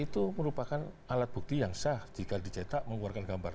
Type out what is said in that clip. itu merupakan alat bukti yang sah jika dicetak mengeluarkan gambar